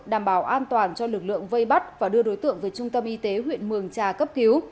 đảm bảo an toàn cho lực lượng vây bắt và đưa đối tượng về trung tâm y tế huyện mường trà cấp cứu